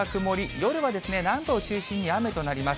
夜は南部を中心に雨となります。